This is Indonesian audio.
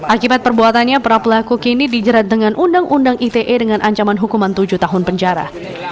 akibat perbuatannya para pelaku kini dijerat dengan undang undang ite dengan ancaman hukuman tujuh tahun penjara